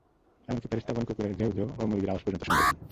এমনকি ফেরেশতাগণ কুকুরের ঘেউ ঘেউ ও মুরগীর আওয়াজ পর্যন্ত শুনতে পান।